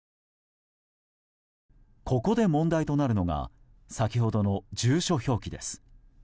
ここで問題となるのが先ほどの住所表記です。